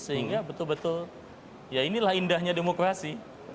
sehingga betul betul ya inilah indahnya demokrasi